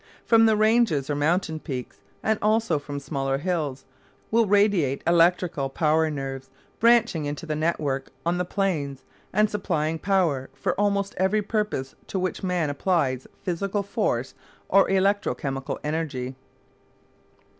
From the ranges or mountain peaks, and also from smaller hills, will radiate electrical power nerves branching out into network on the plains and supplying power for almost every purpose to which man applies physical force or electro chemical energy.